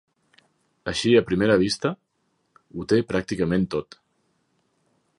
Així a primera vista, ho té pràcticament tot.